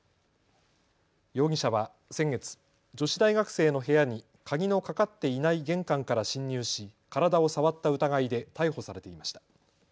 容疑者は先月、女子大学生の部屋に鍵のかかっていない玄関から侵入し体を触った疑いで逮捕されていました。